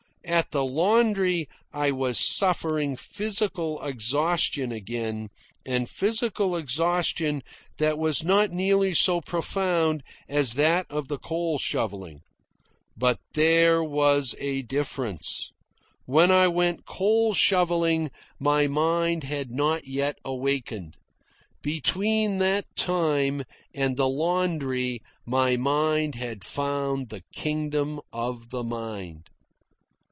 At the laundry I was suffering physical exhaustion again, and physical exhaustion that was not nearly so profound as that of the coal shovelling. But there was a difference. When I went coal shovelling my mind had not yet awakened. Between that time and the laundry my mind had found the kingdom of the mind.